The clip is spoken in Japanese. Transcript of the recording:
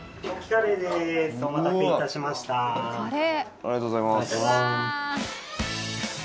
ありがとうございます。